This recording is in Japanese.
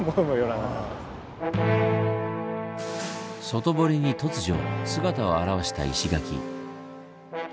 外堀に突如姿を現した石垣。